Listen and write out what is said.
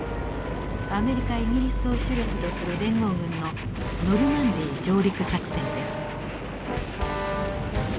アメリカイギリスを主力とする連合軍のノルマンディー上陸作戦です。